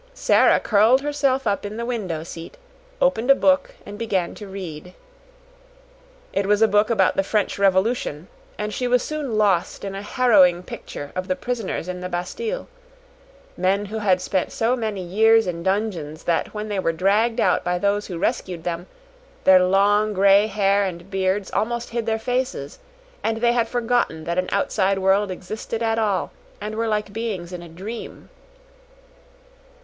Sara curled herself up in the window seat, opened a book, and began to read. It was a book about the French Revolution, and she was soon lost in a harrowing picture of the prisoners in the Bastille men who had spent so many years in dungeons that when they were dragged out by those who rescued them, their long, gray hair and beards almost hid their faces, and they had forgotten that an outside world existed at all, and were like beings in a dream.